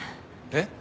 えっ？